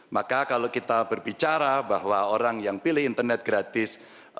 maka kalau kita berbicara bahwa orang yang pilih internet gratis